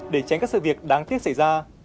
để tránh các sự việc đáng tiếc xảy ra